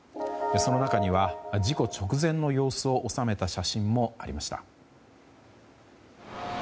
その中には、事故直前の様子を収めた写真もありました。